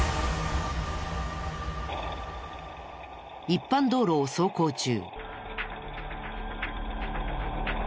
一般道路を走行中。